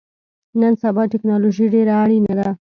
نن سبا ټکنالوژی ډیره اړینه ده